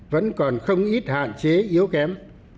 vẫn còn không ít hạn chế yếu kém